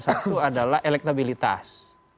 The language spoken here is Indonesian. satu adalah elektabilitas